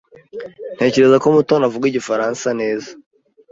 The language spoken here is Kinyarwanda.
Ntekereza ko Mutoni avuga Igifaransa neza.